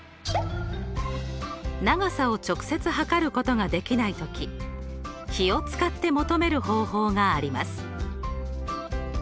長さを直接測ることができない時比を使って求める方法があります。